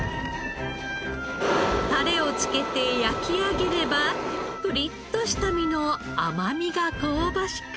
タレを付けて焼き上げればプリッとした身の甘みが香ばしく。